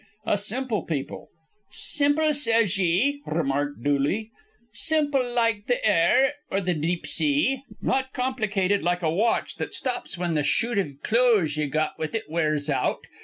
A simple people! "Simple, says ye!" remarked Mr. Dooley. "Simple like th' air or th' deep sea. Not complicated like a watch that stops whin th' shoot iv clothes ye got it with wears out.